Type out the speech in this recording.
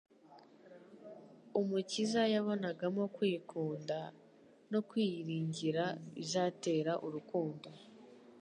Umukiza yamubonagamo kwikunda, no kwiyiringira bizatera urukundo